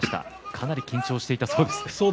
かなり緊張していたそうですね。